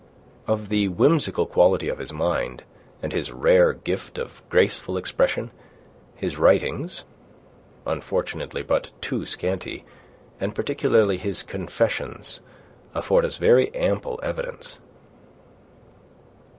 Of the whimsical quality of his mind and his rare gift of graceful expression, his writings unfortunately but too scanty and particularly his Confessions, afford us very ample evidence.